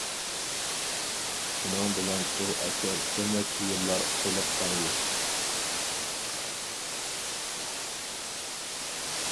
شۇنىڭ بىلەن ئۇ ئەسەر بىر نەچچە يىللار قېلىپ قالىدۇ.